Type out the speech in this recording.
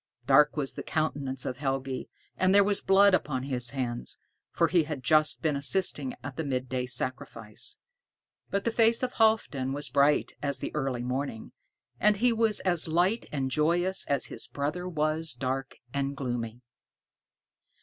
Dark was the countenance of Helgi, and there was blood upon his hands, for he had just been assisting at the midday sacrifice. But the face of Halfdan was bright as the early morning, and he was as light and joyous as his brother was dark and gloomy.